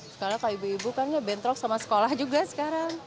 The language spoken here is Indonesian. sekarang kalau ibu ibu kan ya bentrok sama sekolah juga sekarang